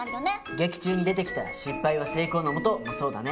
劇中に出てきた「失敗は成功のもと」もそうだね。